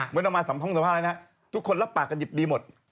เมื่อเริ่มมาสั่งส้องความสัมภาษณ์ทุกคนลับปากกระจิบดีหมด